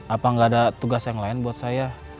apa nggak ada tugas yang lain buat saya